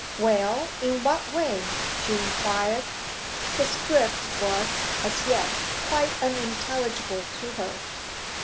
'Well, in what way?' she inquired. His drift was, as yet, quite unintelligible to her.